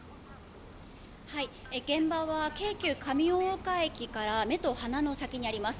現場は、京急上大岡駅から目と鼻の先にあります。